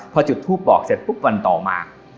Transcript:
พอจุดทูปบอกเด็กวันต่อมา